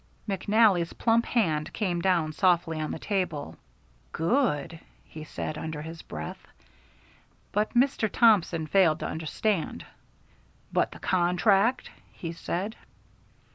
McNally's plump hand came down softly on the table. "Good!" he said under his breath. But Mr. Thompson failed to understand. "But the contract?" he said.